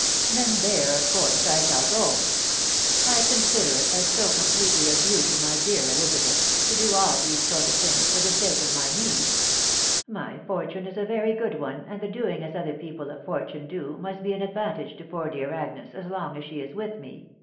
u Then there of course I shall go. t w&%\&«c Sx. «&*& ^ssva. pletely a duty my dear Elizabeth, to to *Si ^Xs^fc wstx <& 2 148 THE WIDOW BARNABY. things for the sake of my niece. My fortune is a very good one, and the doing as other people of fortune do, must be an advantage to poor dear Agnes as long as she is with me